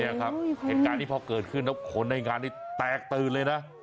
อ๋อเนี่ยครับเหตุการณ์นี้พ๋าเกิดขึ้นเอ้าโหในงานนี้แตกตื่นเลยน่ะ